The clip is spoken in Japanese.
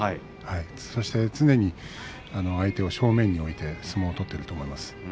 そして、常に相手を正面に置いて相撲を取っていると思います。